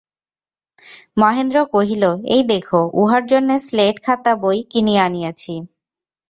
মহেন্দ্র কহিল, এই দেখো, উহার জন্যে স্লেট খাতা বই কিনিয়া আনিয়াছি।